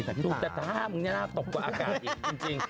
จริงมึงเนี่ยน่าตกกว่าอากาศอีกจริง